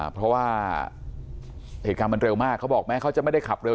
เพราะว่าเหตุการณ์มันเร็วมากเขาบอกแม้เขาจะไม่ได้ขับเร็ว